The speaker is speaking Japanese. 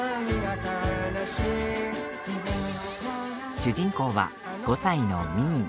主人公は、５歳の、みー。